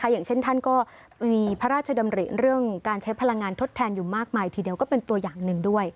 อย่างเช่นท่านก็มีพระราชดำริเรื่องการใช้พลังงานทดแทนอยู่มากมายทีเดียวก็เป็นตัวอย่างหนึ่งด้วย